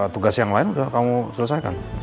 tugas yang lain sudah kamu selesaikan